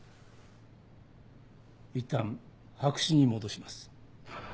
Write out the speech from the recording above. いったん白紙に戻します。